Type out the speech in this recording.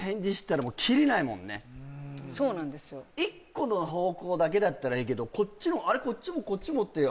１個の方向だけだったらいいけどこっちも、あれ、こっちもこっちもって。